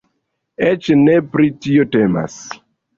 Eĉ ne pri tio temas.